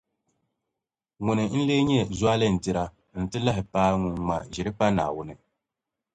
Ŋuni n-leei nyɛ zualindira n-ti lahi paai ŋun ŋma ʒiri pa Naawuni?